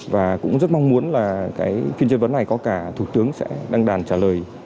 và cũng rất mong muốn khi chất vấn này có cả thủ tướng sẽ đăng đàn trả lời